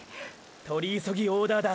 取り急ぎオーダーだ。